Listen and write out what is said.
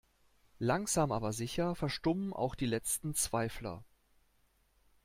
Langsam aber sicher verstummen auch die letzten Zweifler.